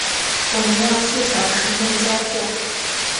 我们要四小时内交货